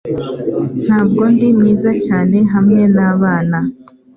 Ntabwo ndi mwiza cyane hamwe nabana